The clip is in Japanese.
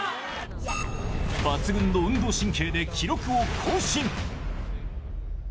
抜群の運動神経で記録を更新。